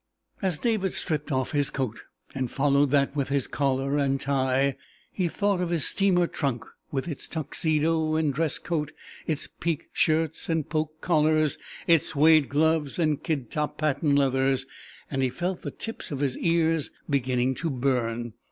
As David stripped off his coat, and followed that with his collar and tie, he thought of his steamer trunk with its Tuxedo and dress coat, its piqué shirts and poke collars, its suede gloves and kid topped patent leathers, and he felt the tips of his ears beginning to burn.